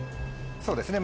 そうですね